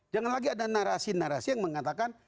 jangan lagi ada narasi narasi yang mengatakan